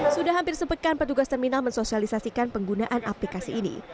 sudah hampir sepekan petugas terminal mensosialisasikan penggunaan aplikasi ini